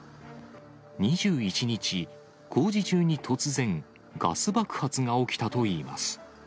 ２１日、工事中に突然、ガス爆発が起きたといいます。